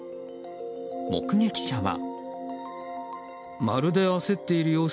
目撃者は。